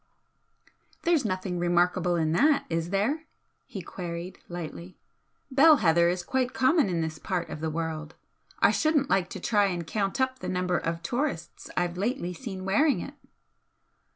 "There's nothing remarkable in that, is there?" he queried, lightly "Bell heather is quite common in this part of the world. I shouldn't like to try and count up the number of tourists I've lately seen wearing it!"